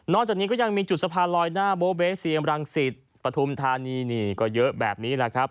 จากนี้ก็ยังมีจุดสะพานลอยหน้าโบเบสเซียมรังสิตปฐุมธานีนี่ก็เยอะแบบนี้แหละครับ